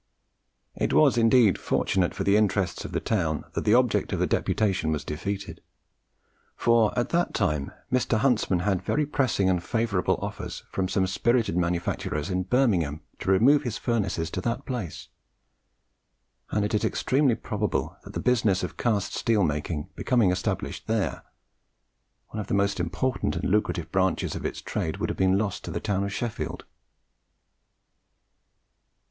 It was indeed fortunate for the interests of the town that the object of the deputation was defeated, for at that time Mr. Huntsman had very pressing and favourable offers from some spirited manufacturers in Birmingham to remove his furnaces to that place; and it is extremely probable that had the business of cast steel making become established there, one of the most important and lucrative branches of its trade would have been lost to the town of Sheffield.